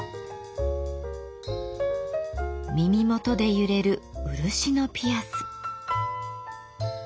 耳元で揺れる漆のピアス。